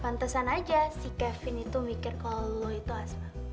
pantesan saja si kevin itu mikir kalau kamu itu asma